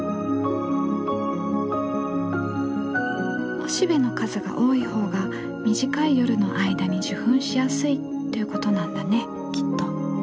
おしべの数が多い方が短い夜の間に受粉しやすいということなんだねきっと。